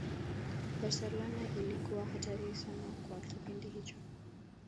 Barcelona ilikuwa hatari sana kwa kipindi hicho